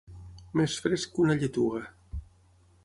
Més fresc que una lletuga.